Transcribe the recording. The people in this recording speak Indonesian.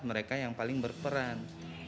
mereka yang paling berperan